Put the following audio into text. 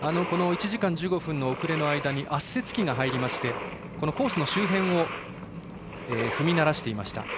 １時間１５分の遅れの間に圧雪機が入りましてコースの周辺を踏みならしていました。